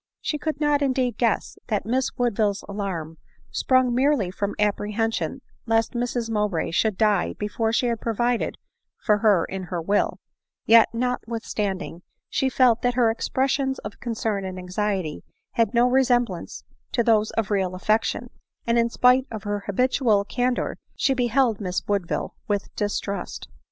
She could not indeed guess that Miss Woodville's alarm sprung merely from apprehension lest Mrs Mowbray should die before she had provided for her in her will ; yet, notwithstanding," she felt that her expres sions of concern and anxiety had no resemblance to those of real affection; and in spite of her habitual can dor, she beheld Miss Woodville with distrust.